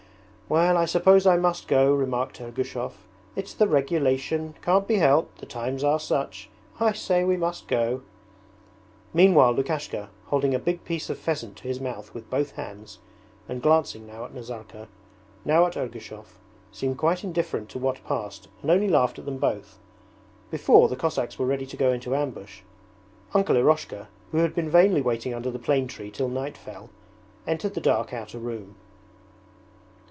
'Well, I suppose I must go,' remarked Ergushov, 'it's the regulation. Can't be helped! The times are such. I say, we must go.' Meanwhile Lukashka, holding a big piece of pheasant to his mouth with both hands and glancing now at Nazarka, now at Ergushov, seemed quite indifferent to what passed and only laughed at them both. Before the Cossacks were ready to go into ambush. Uncle Eroshka, who had been vainly waiting under the plane tree till night fell, entered the dark outer room.